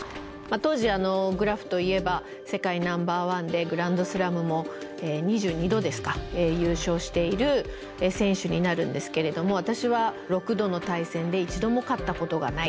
当時グラフといえば世界ナンバーワンでグランドスラムも２２度ですか優勝している選手になるんですけれども私は６度の対戦で一度も勝ったことがない。